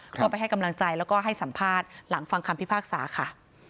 ก็ไปให้กำลังใจแล้วก็ให้สัมภาษณ์หลังฟังคำพิพากษาค่ะ